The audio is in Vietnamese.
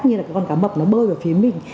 như là cái con cá mập nó bơi vào phía mình